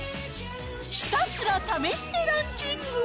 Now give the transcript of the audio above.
ひたすら試してランキング。